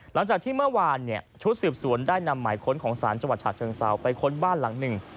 หลังจากที่เมื่อวานชุดสืบสวนได้นำหมายค้นของศาลจังหวัดฉะเชิงเซาไปค้นบ้านหลังหนึ่ง